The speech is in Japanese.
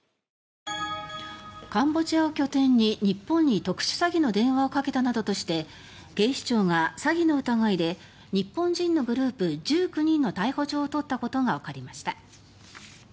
カンボジアを拠点に日本に特殊詐欺の電話をかけたなどとして警視庁が詐欺の疑いで日本人のグループ１９人の逮捕状を取ったことがわかりました。